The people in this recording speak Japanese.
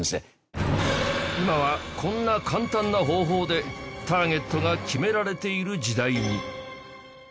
今はこんな簡単な方法でターゲットが決められている時代に。